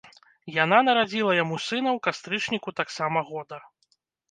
Яна нарадзіла яму сына ў кастрычніку таксама года.